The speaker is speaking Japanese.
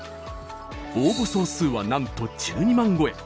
応募総数は、なんと１２万超え。